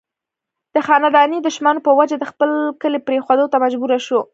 د خانداني دشمنو پۀ وجه د خپل کلي پريښودو ته مجبوره شو